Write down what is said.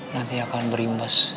nanti akan berimbas